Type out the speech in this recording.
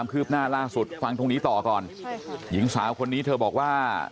ก็คงต้องเสียใจแหละ